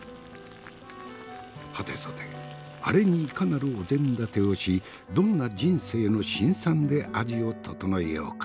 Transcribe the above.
はてさてアレにいかなるお膳立てをしどんな人生の辛酸で味を調えようか。